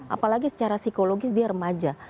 apalagi secara psikologis dia remaja